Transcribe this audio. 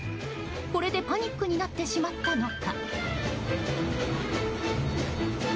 これでパニックになってしまったのか。